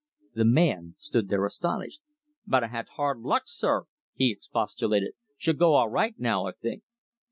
The man stood there astonished. "But I had hard luck, sir," he expostulated. "She'll go all right now, I think."